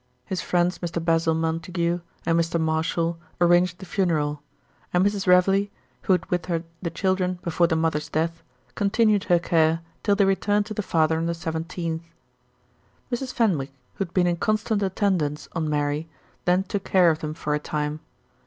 His friends Mr. Basil Montague and Mr. Marshall arranged the funeral, and Mrs. Reveley, who had with her the children before the mother's death, continued her care till they returned to the father on the 17th. Mrs. Fenwick, who had been in constant attendance on Mary, then took care of them for a time.